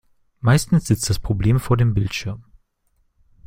Meistens sitzt das Problem vor dem Bildschirm.